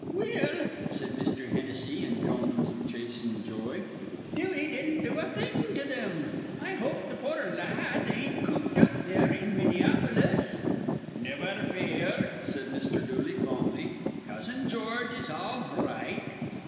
"Well," said Mr. Hennessy, in tones of chastened joy: "Dewey didn't do a thing to thim. I hope th' poor la ad ain't cooped up there in Minneapolis." "Niver fear," said Mr. Dooley, calmly. "Cousin George is all r right."